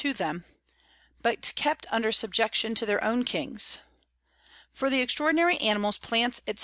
_] to them, but still kept under Subjection to their own Kings. For the extraordinary Animals, Plants, _&c.